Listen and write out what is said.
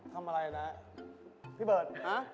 ทำอะไรนะ